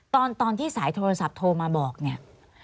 ตอนที่สายโทรศัพท์โทรมาบอกเนี่ย